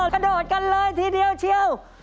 กระโดดกันเลยทีเดียวเชียว